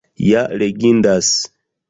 Ja legindas!